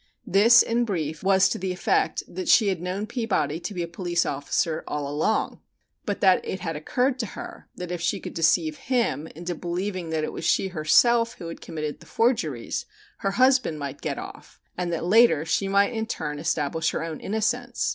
This, in brief, was to the effect that she had known Peabody to be a police officer all along, but that it had occurred to her that if she could deceive him into believing that it was she herself who had committed the forgeries her husband might get off, and that later she might in turn establish her own innocence.